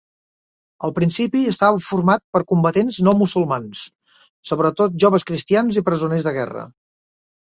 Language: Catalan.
Al principi estava format per combatents no musulmans, sobretot joves cristians i presoners de guerra.